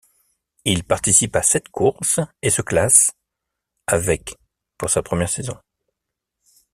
Il participe à sept courses et se classe avec pour sa première saison.